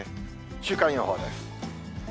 週間予報です。